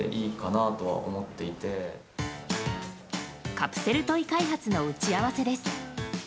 カプセルトイ開発の打ち合わせです。